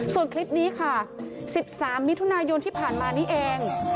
ส่วนคลิปนี้ค่ะ๑๓มิถุนายนที่ผ่านมานี้เอง